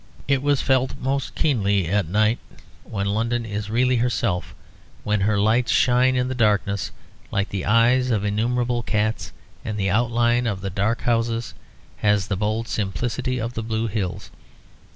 It was felt most keenly at night, when London is really herself, when her lights shine in the dark like the eyes of innumerable cats, and the outline of the dark houses has the bold simplicity of blue hills.